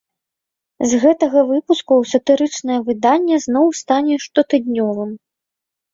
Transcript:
З гэтага выпуску сатырычнае выданне зноў стане штотыднёвым.